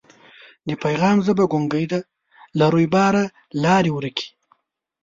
د پیغام ژبه ګونګۍ ده له رویباره لاري ورکي